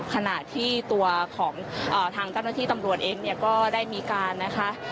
ขณะที่ตัวของทางต้นที่ตำรวจเองก็ได้มีการนะคะ